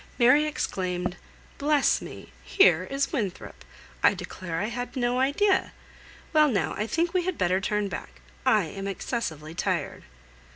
Mary exclaimed, "Bless me! here is Winthrop. I declare I had no idea! Well now, I think we had better turn back; I am excessively tired."